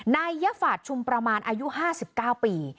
ยฝาดชุมประมาณอายุ๕๙ปี